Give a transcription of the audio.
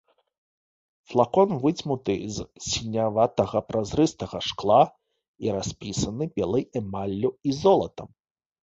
Флакон выдзьмуты з сіняватага празрыстага шкла і распісаны белай эмаллю і золатам.